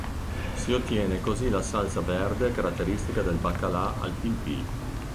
Si ottiene così la salsa verde caratteristica del "baccalà al pil-pil".